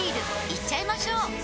いっちゃいましょう！